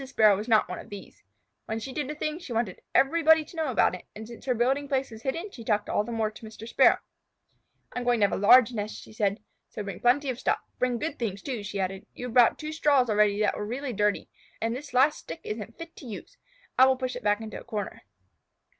Sparrow was not one of these. When she did a thing, she wanted everybody to know it, and since her building place was hidden she talked all the more to Mr. Sparrow. "I am going to have a large nest," she said. "So bring plenty of stuff. Bring good things, too," she added. "You have brought two straws already that were really dirty, and this last stick isn't fit to use. I will push it back into a corner."